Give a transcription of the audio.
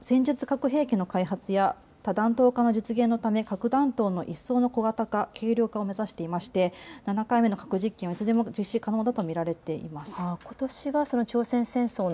北朝鮮は戦術核兵器の開発や多弾頭化の実現のため核弾頭の一層の小型化・軽量化を目指していまして７回目の核実験は実施可能だと見られています。